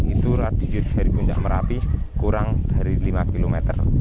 itu radius dari puncak merapi kurang dari lima km